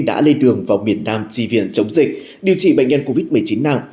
đã lên đường vào miền nam tri viện chống dịch điều trị bệnh nhân covid một mươi chín nặng